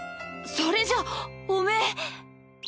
それじゃおめぇ。